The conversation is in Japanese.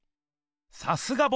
さすがボス！